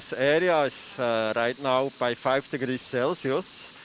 sekarang lima derajat celsius